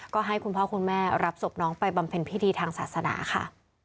ก็ให้คุณพ่อคุณแม่รับศพน้องไปบำเพ็ญพิธีทางศาสนาค่ะ